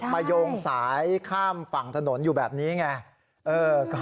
โยงสายข้ามฝั่งถนนอยู่แบบนี้ไง